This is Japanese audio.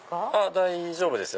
大丈夫ですよ。